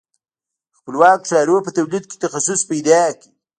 خپلواکو ښارونو په تولید کې تخصص پیدا کړ.